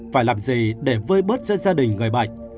phải làm gì để vơi bớt cho gia đình người bệnh